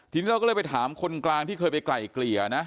ทีนี้เราก็เลยไปถามคนกลางที่เคยไปไกลเกลี่ยนะ